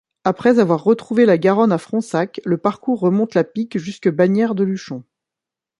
Après avoir retrouvé la Garonne à Fronsac, le parcours remonte la Pique jusque Bagnères-de-Luchon.